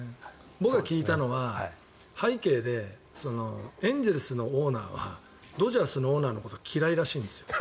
僕が聞いたのは背景でエンゼルスのオーナーはドジャースのオーナーのこと嫌いらしいんです。